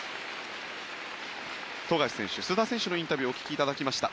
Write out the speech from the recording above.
富樫選手、須田選手のインタビューをお聞きいただきました。